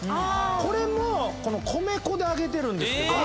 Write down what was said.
これも米粉で揚げてるんです。